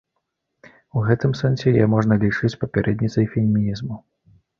У гэтым сэнсе яе можна лічыць папярэдніцай фемінізму.